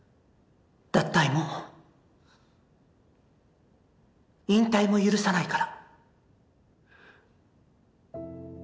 脱退も引退も許さないから。